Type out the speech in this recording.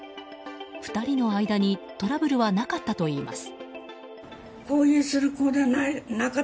２人の間にトラブルはなかったといいます。